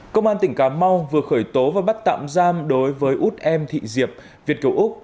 công an tỉnh cà mau vừa khởi tố và bắt tạm giam đối với út em thị diệp việt kiều úc